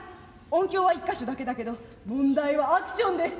音響は１か所だけだけど問題はアクションです。